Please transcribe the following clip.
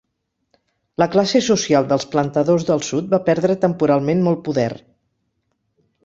La classe social dels plantadors del sud va perdre temporalment molt poder.